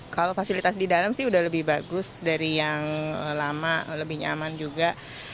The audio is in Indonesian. kalau fasilitas di dalam sih udah lebih bagus dari yang lama lebih nyaman juga